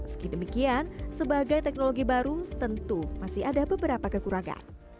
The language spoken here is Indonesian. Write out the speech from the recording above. meski demikian sebagai teknologi baru tentu masih ada beberapa kekurangan